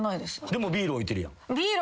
でもビール置いてるやん。